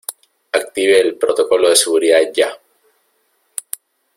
active el protocolo de seguridad ya.